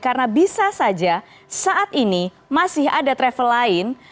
karena bisa saja saat ini masih ada travel lain